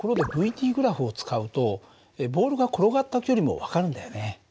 ｔグラフを使うとボールが転がった距離も分かるんだよね。